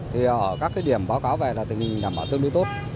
thì ở các cái điểm báo cáo về là tình hình đảm bảo tương đối tốt